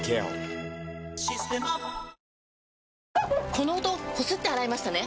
この音こすって洗いましたね？